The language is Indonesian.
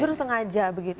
justru sengaja begitu